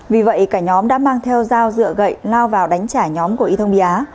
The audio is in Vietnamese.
vì vậy cả nhóm đã mang theo dao dựa gậy lao vào đánh trả nhóm của y thông bá